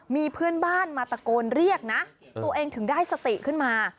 มีเพื่อนบ้านมาตะโกนเรียกนะตัวเองถึงได้สติขึ้นมา